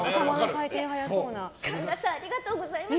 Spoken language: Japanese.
神田さんありがとうございます。